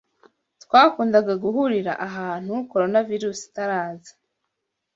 Twakundaga guhurira ahantu Coronavirusi itaraza.